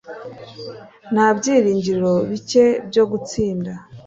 nta byiringiro bike byo gutsinda